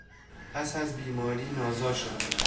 پس از بیماری نازا شد.